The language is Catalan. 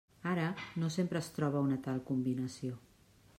Ara, no sempre es troba una tal combinació.